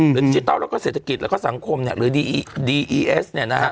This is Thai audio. หรือจิตร่าวแล้วก็เศรษฐกิจแล้วก็สังคมหรือดีอีดีอีเอส